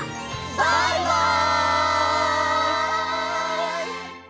バイバイ！